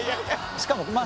しかもまあ